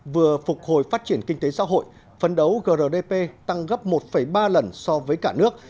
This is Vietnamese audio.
vừa phục hồi phát triển kinh tế xã hội phấn đấu grdp tăng gấp một ba lần so với cả nước